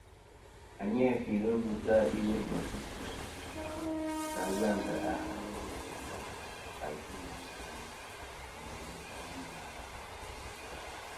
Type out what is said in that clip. À nî nà fî ghɨ ɨlvɨ ta iwo i bef ɨ isas ì ndo kèsa a ntèʼ ghelɨ yvɨ̀ŋtɨ̀ ɨ faytɨ ìwo ateyn ɨ nyvɨ mɨlûʼ yi mæ̀.